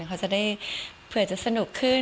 เขาจะได้เผื่อจะสนุกขึ้น